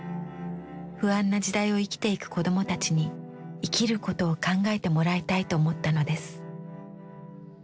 不安な時代を生きていく子供たちに生きることを考えてもらいたいと思ったのです。